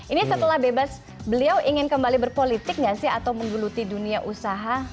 ini setelah bebas beliau ingin kembali berpolitik nggak sih atau menggeluti dunia usaha